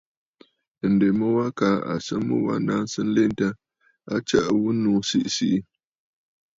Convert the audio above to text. Ǹdèmu wa kaa à sɨ mu wa naŋsə nlentə, a tsəʼə ghu nu siʼi siʼi.